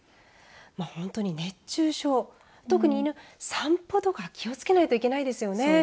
本当に熱中症特に犬、散歩とか気を付けないといけないですよね。